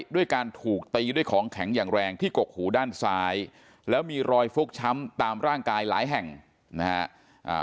ด้วยการถูกตีด้วยของแข็งอย่างแรงที่กกหูด้านซ้ายแล้วมีรอยฟกช้ำตามร่างกายหลายแห่งนะฮะ